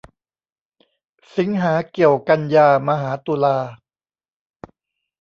สิงหาเกี่ยวกันยามาหาตุลา